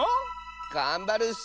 がんばるッス！